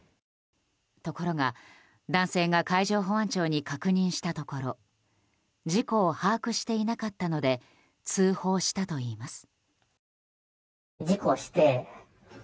ところが、男性が海上保安庁に確認したところ事故を把握していなかったので通報したといいます。